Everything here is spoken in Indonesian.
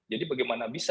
jadi bagaimana bisa